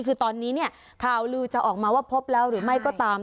คือตอนนี้เนี่ยข่าวลือจะออกมาว่าพบแล้วหรือไม่ก็ตาม